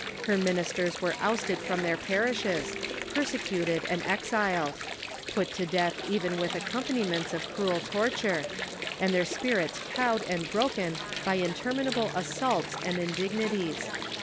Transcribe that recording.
Iler ministers were ousted from their )>arishes, ])er8ecuted, and exiled — put to death even with :vccom))animents of cruel torture, and their spirits cowed and broken by interminable assaults and indignities.